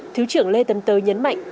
thứ trưởng lê tân tới nhấn mạnh